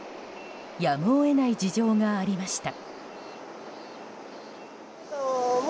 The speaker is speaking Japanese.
やむを得ない事情がありました。